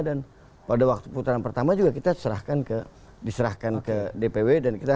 dan pada waktu putaran pertama juga kita diserahkan ke dpw